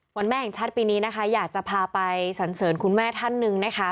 แม่แห่งชาติปีนี้นะคะอยากจะพาไปสันเสริญคุณแม่ท่านหนึ่งนะคะ